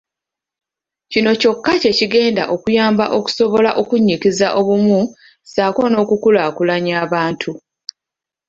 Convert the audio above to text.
Kino kyokka kye kigenda okuyamba okusobola okunnyikiza obumu ssaako n’okukulaakulanya abantu.